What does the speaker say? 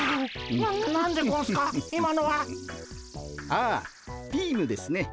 ああビームですね